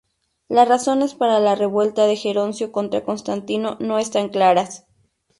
Las razones para la revuelta de Geroncio contra Constantino no están claras.